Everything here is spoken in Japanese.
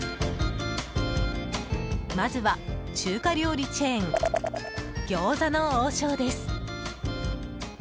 まずは中華料理チェーン餃子の王将です。